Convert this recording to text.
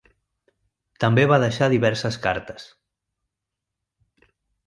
També va deixar diverses cartes.